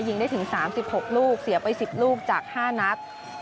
ยิงได้ถึง๓๖ลูกเสียไป๑๐ลูกจาก๕นัด